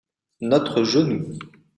notre genou.